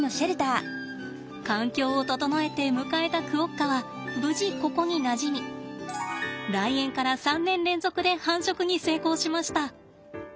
環境を整えて迎えたクオッカは無事ここになじみ来園から３年連続で繁殖に成功しました！